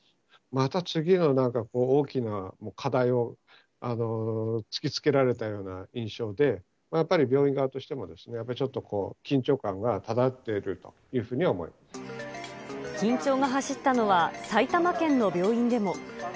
また次のなんかこう、大きな課題を突きつけられたような印象で、やっぱり病院側としてもちょっと緊張感が漂っているというふうに緊張が走ったのは、埼玉県の病院でも。